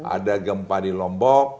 ada gempa di lombok